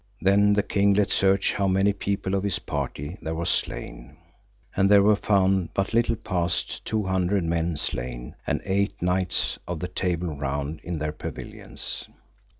Then the king let search how much people of his party there was slain; and there were found but little past two hundred men slain and eight knights of the Table Round in their pavilions.